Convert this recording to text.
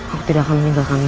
aku tidak akan meninggalkanmu